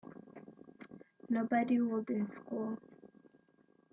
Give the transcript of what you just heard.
Nobody would in school.